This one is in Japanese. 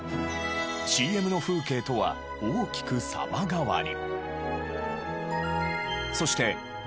ＣＭの風景とは大きく様変わり。